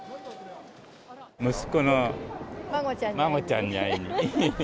息子の孫ちゃんに会いに。